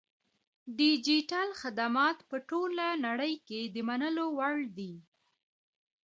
ډیجیټل خدمات په ټوله نړۍ کې د منلو وړ دي.